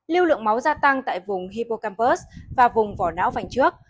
lưu lượng máu gia tăng tại vùng hippocampus và vùng vỏ não phành trước